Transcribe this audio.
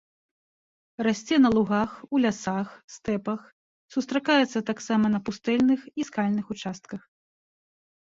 Расце на лугах, у лясах, стэпах, сустракаецца таксама на пустэльных і скальных участках.